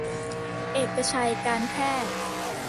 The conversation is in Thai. เอกชัยการแพทย์